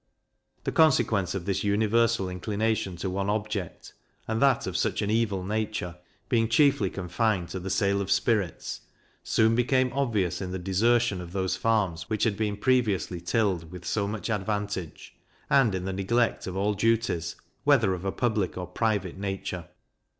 The consequence of this universal inclination to one object, and that of such an evil nature, being chiefly confined to the sale of spirits, soon became obvious in the desertion of those farms which had been previously tilled with so much advantage, and in the neglect of all duties, whether of a public or private nature.